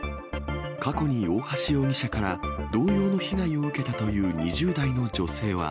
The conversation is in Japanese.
過去に大橋容疑者から同様の被害を受けたという２０代の女性は。